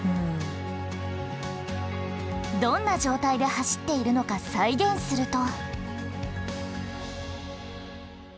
どんな状態で走っているのか再現すると。